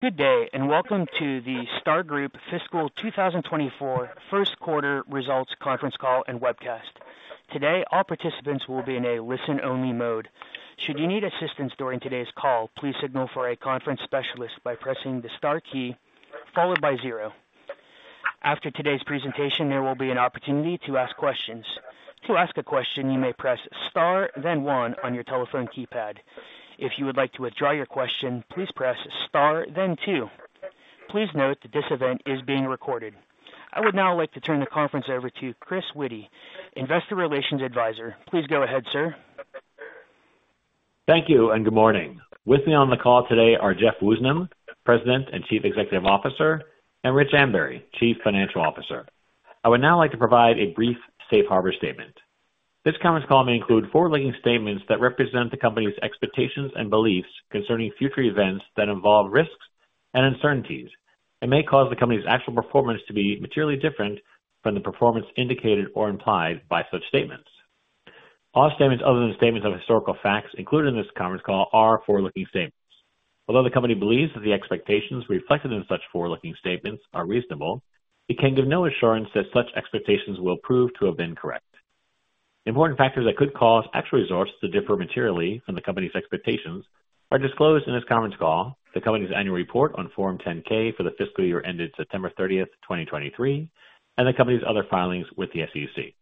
Good day, and welcome to the Star Group Fiscal 2024 First Quarter Results Conference Call and Webcast. Today, all participants will be in a listen-only mode. Should you need assistance during today's call, please signal for a conference specialist by pressing the star key, followed by zero. After today's presentation, there will be an opportunity to ask questions. To ask a question, you may press star, then one on your telephone keypad. If you would like to withdraw your question, please press star, then two. Please note that this event is being recorded. I would now like to turn the conference over to Chris Witty, Investor Relations Advisor. Please go ahead, sir. Thank you and good morning. With me on the call today are Jeff Woosnam, President and Chief Executive Officer, and Rich Ambury, Chief Financial Officer. I would now like to provide a brief safe harbor statement. This conference call may include forward-looking statements that represent the company's expectations and beliefs concerning future events that involve risks and uncertainties and may cause the company's actual performance to be materially different from the performance indicated or implied by such statements. All statements other than statements of historical facts included in this conference call are forward-looking statements. Although the company believes that the expectations reflected in such forward-looking statements are reasonable, it can give no assurance that such expectations will prove to have been correct. Important factors that could cause actual results to differ materially from the company's expectations are disclosed in this conference call, the company's annual report on Form 10-K for the fiscal year ended September 30th, 2023, and the company's other filings with the SEC.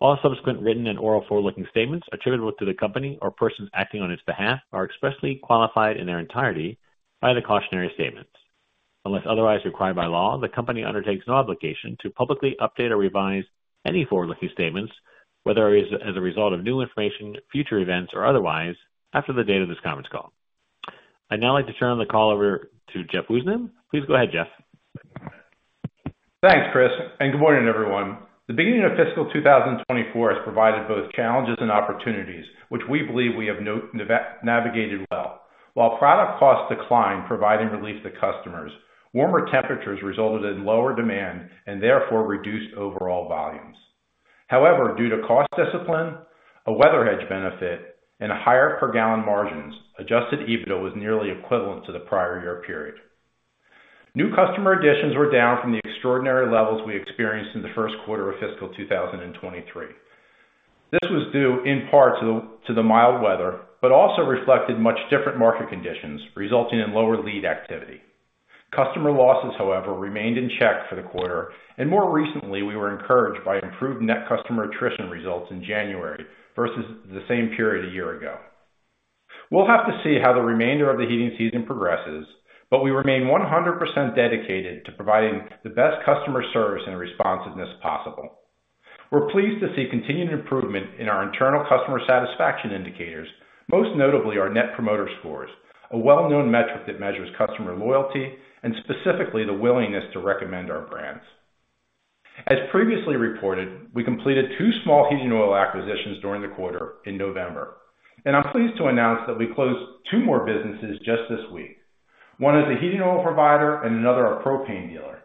All subsequent written and oral forward-looking statements attributable to the company or persons acting on its behalf are expressly qualified in their entirety by the cautionary statements. Unless otherwise required by law, the company undertakes no obligation to publicly update or revise any forward-looking statements, whether as a result of new information, future events, or otherwise, after the date of this conference call. I'd now like to turn the call over to Jeff Woosnam. Please go ahead, Jeff. Thanks, Chris, and good morning, everyone. The beginning of fiscal 2024 has provided both challenges and opportunities, which we believe we have navigated well. While product costs declined, providing relief to customers, warmer temperatures resulted in lower demand and therefore reduced overall volumes. However, due to cost discipline, a weather hedge benefit, and higher per gal margins, Adjusted EBITDA was nearly equivalent to the prior year period. New customer additions were down from the extraordinary levels we experienced in the first quarter of fiscal 2023. This was due in part to the mild weather, but also reflected much different market conditions, resulting in lower lead activity. Customer losses, however, remained in check for the quarter, and more recently, we were encouraged by improved net customer attrition results in January versus the same period a year ago. We'll have to see how the remainder of the heating season progresses, but we remain 100% dedicated to providing the best customer service and responsiveness possible. We're pleased to see continued improvement in our internal customer satisfaction indicators, most notably our Net Promoter Scores, a well-known metric that measures customer loyalty and specifically the willingness to recommend our brands. As previously reported, we completed two small heating oil acquisitions during the quarter in November, and I'm pleased to announce that we closed two more businesses just this week. One is a heating oil provider and another, a propane dealer.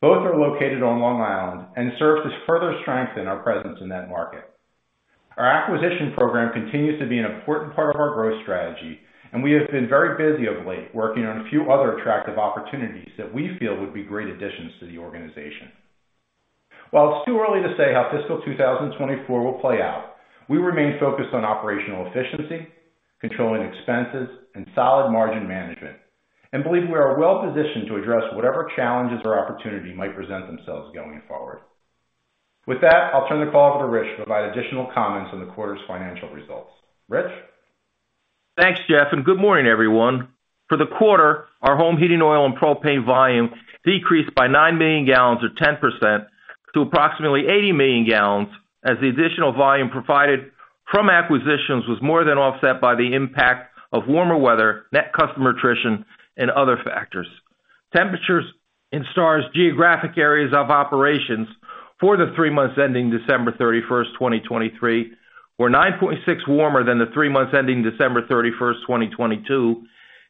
Both are located on Long Island and serve to further strengthen our presence in that market. Our acquisition program continues to be an important part of our growth strategy, and we have been very busy of late, working on a few other attractive opportunities that we feel would be great additions to the organization. While it's too early to say how fiscal 2024 will play out, we remain focused on operational efficiency, controlling expenses, and solid margin management, and believe we are well positioned to address whatever challenges or opportunities might present themselves going forward. With that, I'll turn the call over to Rich to provide additional comments on the quarter's financial results. Rich? Thanks, Jeff, and good morning, everyone. For the quarter, our home heating oil and propane volume decreased by 9 million gal or 10% to approximately 80 million gal, as the additional volume provided from acquisitions was more than offset by the impact of warmer weather, net customer attrition, and other factors. Temperatures in Star's geographic areas of operations for the three months ending December 31st, 2023, were 9.6% warmer than the three months ending December 31st, 2022,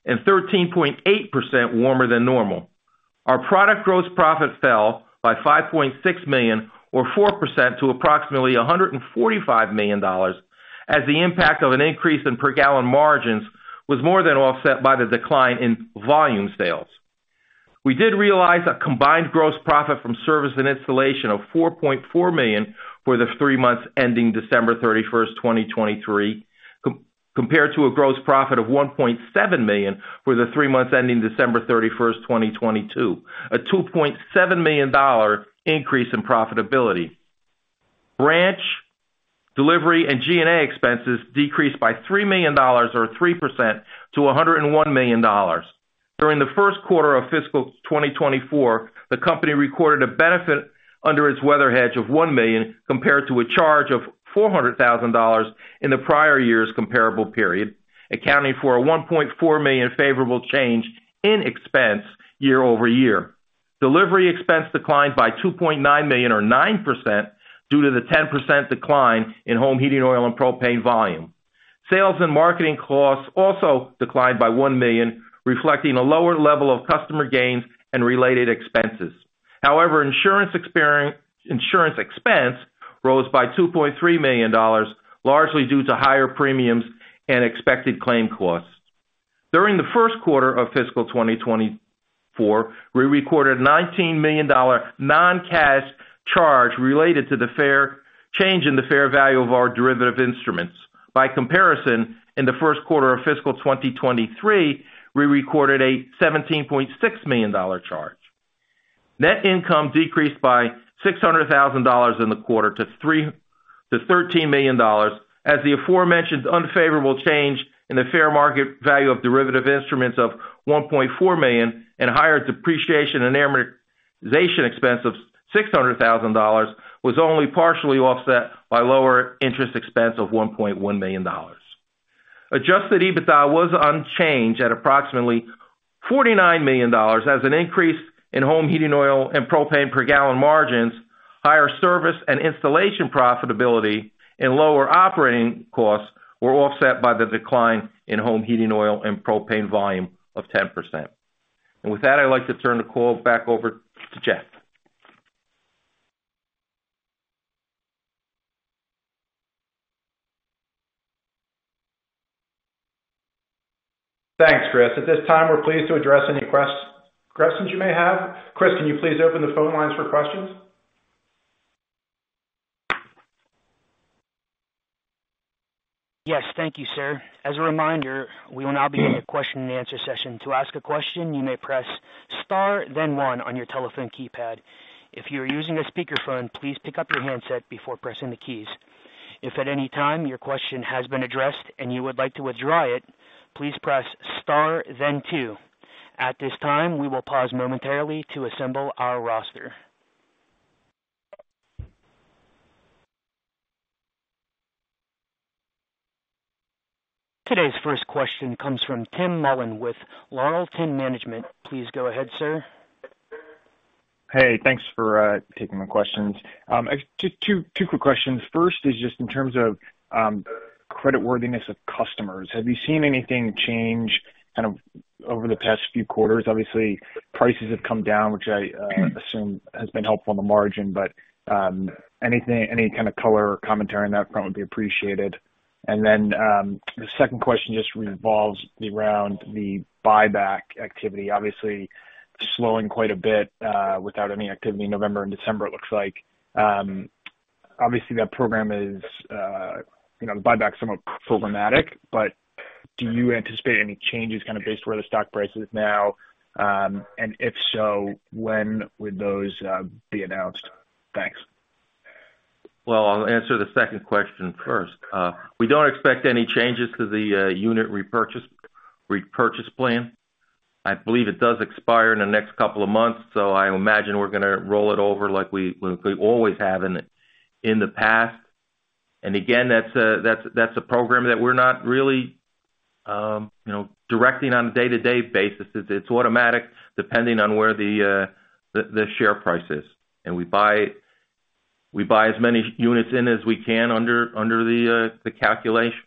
and 13.8% warmer than normal. Our product gross profit fell by $5.6 million or 4% to approximately $145 million, as the impact of an increase in per gal margins was more than offset by the decline in volume sales. We did realize a combined gross profit from service and installation of $4.4 million for the three months ending December 31st, 2023, compared to a gross profit of $1.7 million for the three months ending December 31st, 2022, a $2.7 million increase in profitability. Branch, delivery, and G&A expenses decreased by $3 million or 3% to $101 million. During the first quarter of fiscal 2024, the company recorded a benefit under its weather hedge of $1 million, compared to a charge of $400,000 in the prior year's comparable period, accounting for a $1.4 million favorable change in expense year-over-year. Delivery expense declined by $2.9 million or 9% due to the 10% decline in home heating oil and propane volume. Sales and marketing costs also declined by $1 million, reflecting a lower level of customer gains and related expenses. However, insurance expense rose by $2.3 million, largely due to higher premiums and expected claim costs. During the first quarter of fiscal 2024, we recorded $19 million non-cash charge related to the change in the fair value of our derivative instruments. By comparison, in the first quarter of fiscal 2023, we recorded a $17.6 million charge. Net income decreased by $600,000 in the quarter to $13 million, as the aforementioned unfavorable change in the fair market value of derivative instruments of $1.4 million and higher depreciation and amortization expense of $600,000 was only partially offset by lower interest expense of $1.1 million. Adjusted EBITDA was unchanged at approximately $49 million, as an increase in home heating oil and propane per gal margins, higher service and installation profitability, and lower operating costs were offset by the decline in home heating oil and propane volume of 10%. With that, I'd like to turn the call back over to Jeff. Thanks, Chris. At this time, we're pleased to address any questions you may have. Chris, can you please open the phone lines for questions? Yes, thank you, sir. As a reminder, we will now begin a question and answer session. To ask a question, you may press star then one on your telephone keypad. If you are using a speakerphone, please pick up your handset before pressing the keys. If at any time your question has been addressed and you would like to withdraw it, please press star then two. At this time, we will pause momentarily to assemble our roster. Today's first question comes from Tim Mullen with Laurelton Management. Please go ahead, sir. Hey, thanks for taking my questions. Just two quick questions. First is just in terms of creditworthiness of customers, have you seen anything change kind of over the past few quarters? Obviously, prices have come down, which I assume has been helpful on the margin. But anything, any kind of color or commentary on that front would be appreciated. And then the second question just revolves around the buyback activity, obviously slowing quite a bit without any activity in November and December it looks like. Obviously, that program is you know, the buyback is somewhat programmatic, but do you anticipate any changes kind of based on where the stock price is now? And if so, when would those be announced? Thanks. Well, I'll answer the second question first. We don't expect any changes to the unit repurchase plan. I believe it does expire in the next couple of months, so I imagine we're gonna roll it over like we always have in the past. And again, that's a program that we're not really, you know, directing on a day-to-day basis. It's automatic, depending on where the share price is. And we buy as many units in as we can under the calculations.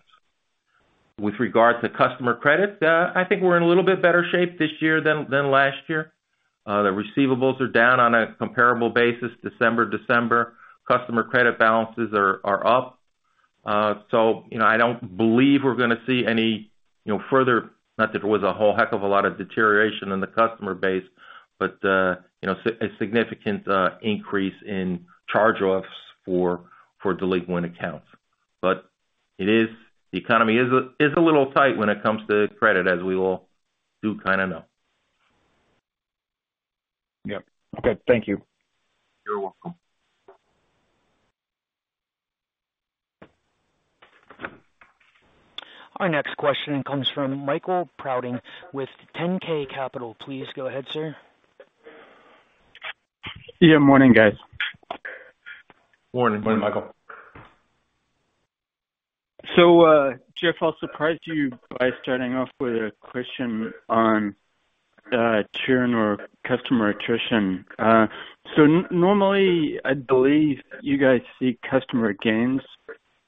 With regard to customer credit, I think we're in a little bit better shape this year than last year. The receivables are down on a comparable basis, December-December. Customer credit balances are up. So, you know, I don't believe we're gonna see any, you know, further. Not that there was a whole heck of a lot of deterioration in the customer base, but, you know, a significant increase in charge-offs for delinquent accounts. But it is, the economy is a little tight when it comes to credit, as we all do kind of know. Yep. Okay. Thank you. You're welcome. Our next question comes from Michael Prouting with 10K Capital. Please go ahead, sir. Yeah, morning, guys. Morning, Michael. So, Jeff, I'll surprise you by starting off with a question on churn or customer attrition. So normally, I believe you guys see customer gains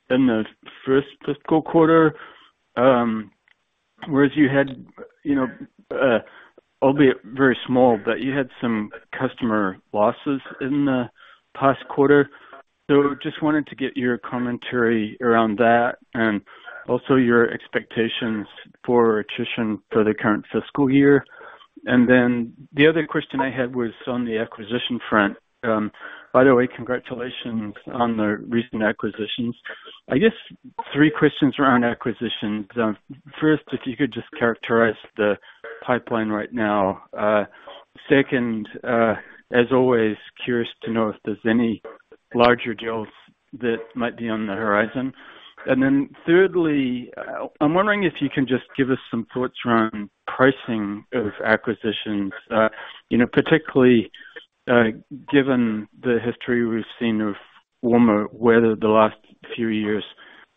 in the first fiscal quarter, whereas you had, you know, albeit very small, but you had some customer losses in the past quarter. So just wanted to get your commentary around that and also your expectations for attrition for the current fiscal year. And then the other question I had was on the acquisition front. By the way, congratulations on the recent acquisitions. I guess three questions around acquisitions. First, if you could just characterize the pipeline right now. Second, as always, curious to know if there's any larger deals that might be on the horizon. And then thirdly, I'm wondering if you can just give us some thoughts around pricing of acquisitions. You know, particularly, given the history we've seen of warmer weather the last few years,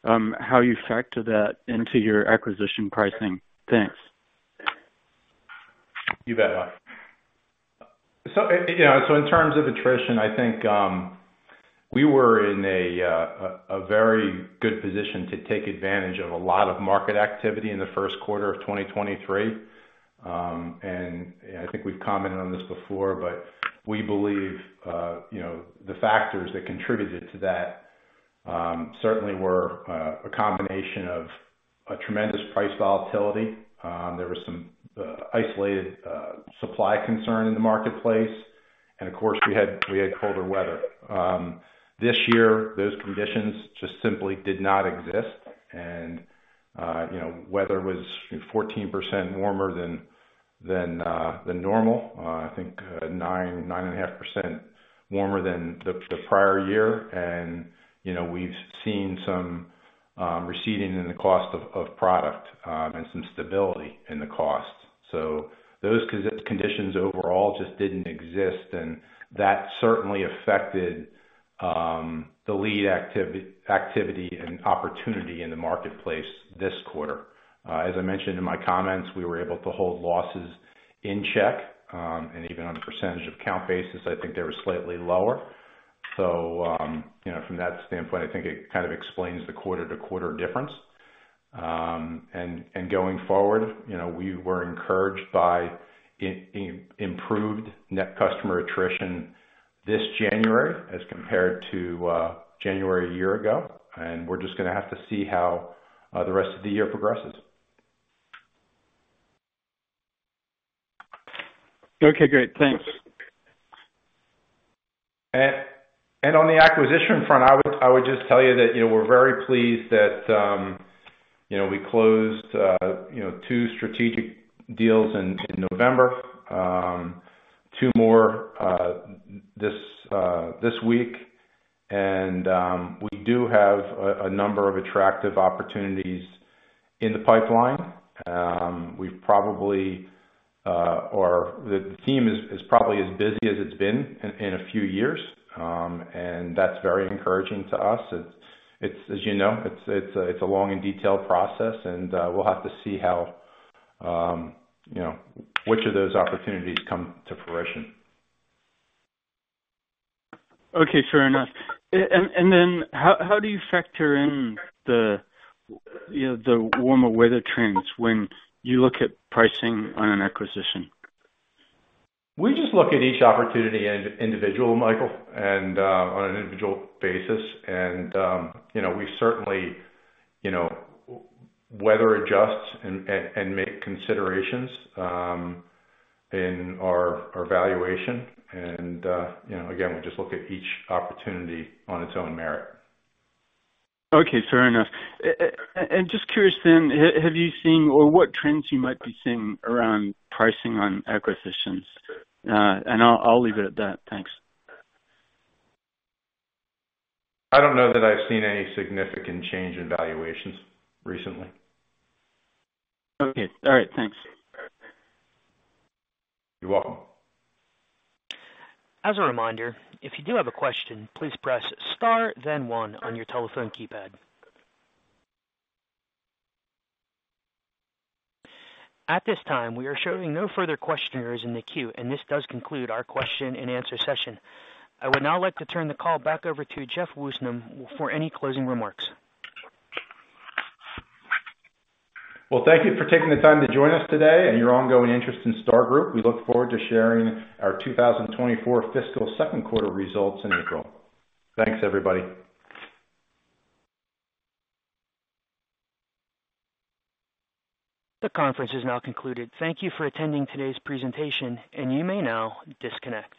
how you factor that into your acquisition pricing? Thanks. You bet, Michael. So, you know, so in terms of attrition, I think,...We were in a very good position to take advantage of a lot of market activity in the first quarter of 2023. I think we've commented on this before, but we believe you know the factors that contributed to that certainly were a combination of a tremendous price volatility. There was some isolated supply concern in the marketplace, and of course, we had colder weather. This year, those conditions just simply did not exist. You know, weather was 14% warmer than normal. I think 9.5% warmer than the prior year. You know, we've seen some receding in the cost of product and some stability in the costs. So those conditions overall just didn't exist, and that certainly affected the lead activity and opportunity in the marketplace this quarter. As I mentioned in my comments, we were able to hold losses in check, and even on a percentage of account basis, I think they were slightly lower. So, you know, from that standpoint, I think it kind of explains the quarter-to-quarter difference. And going forward, you know, we were encouraged by improved net customer attrition this January as compared to January a year ago. And we're just gonna have to see how the rest of the year progresses. Okay, great. Thanks. On the acquisition front, I would just tell you that, you know, we're very pleased that, you know, we closed two strategic deals in November, two more this week. And we do have a number of attractive opportunities in the pipeline. We've probably, or the team is probably as busy as it's been in a few years. And that's very encouraging to us. It's, as you know, it's a long and detailed process, and we'll have to see how, you know, which of those opportunities come to fruition. Okay, fair enough. And then how do you factor in the, you know, the warmer weather trends when you look at pricing on an acquisition? We just look at each opportunity on an individual basis, Michael. You know, we certainly, you know, weather adjusts and make considerations in our valuation. You know, again, we just look at each opportunity on its own merit. Okay, fair enough. And just curious then, have you seen or what trends you might be seeing around pricing on acquisitions? And I'll leave it at that. Thanks. I don't know that I've seen any significant change in valuations recently. Okay. All right, thanks. You're welcome. As a reminder, if you do have a question, please press Star, then one on your telephone keypad. At this time, we are showing no further questioners in the queue, and this does conclude our question-and-answer session. I would now like to turn the call back over to Jeff Woosnam for any closing remarks. Well, thank you for taking the time to join us today and your ongoing interest in Star Group. We look forward to sharing our 2024 fiscal second quarter results in April. Thanks, everybody. The conference is now concluded. Thank you for attending today's presentation, and you may now disconnect.